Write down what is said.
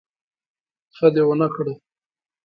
ښه دي ونکړه